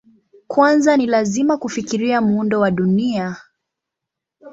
Kwanza ni lazima kufikiria muundo wa Dunia.